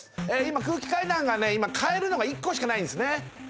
今空気階段がね買えるのが１個しかないんですね